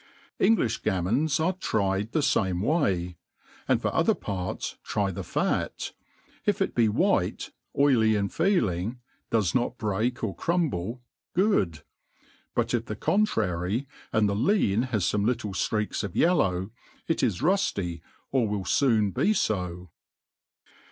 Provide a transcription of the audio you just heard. £ngti(b gaqnmons are tried the fame way $ and for other parts try the fat $ if it be white, oily in feeling, does not break or crumble, good j but if the contrary, and the lean has fome little ftreai^ of yellow, it is rufly, or will foon be fo.